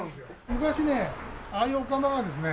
昔ねああいうお釜はですね